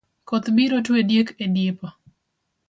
Koth biro twe diek e dipo.